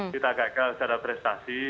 kita gagal secara prestasi